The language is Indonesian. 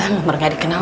nomor gak dikenal